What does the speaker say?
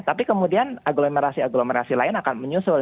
tapi kemudian agglomerasi agglomerasi lain akan menyusul